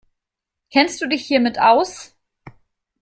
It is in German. Kennst du dich hiermit aus?